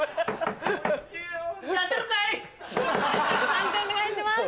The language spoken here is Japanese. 判定お願いします。